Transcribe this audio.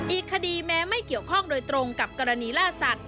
อีกคดีแม้ไม่เกี่ยวข้องโดยตรงกับกรณีล่าสัตว